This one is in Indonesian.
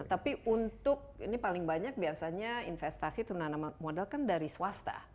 nah tapi untuk ini paling banyak biasanya investasi tunanamodel kan dari swasta